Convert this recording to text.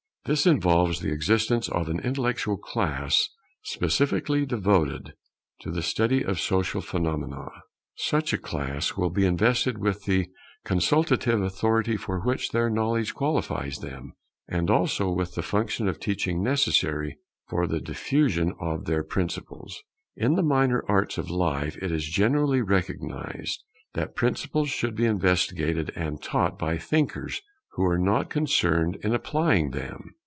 This involves the existence of an intellectual class specially devoted to the study of social phenomena. Such a class will be invested with the consultative authority for which their knowledge qualifies them, and also with the function of teaching necessary for the diffusion of their principles. In the minor arts of life it is generally recognized that principles should be investigated and taught by thinkers who are not concerned in applying them.